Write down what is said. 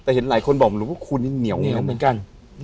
แต่เห็นหลายคนบอกหมุนพ่อคูณเหนียวเหมือนกัน